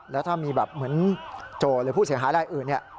แล้วถ้ามีแบบเหมือนโจทย์หรือผู้เสียหายรายอื่นเนี่ย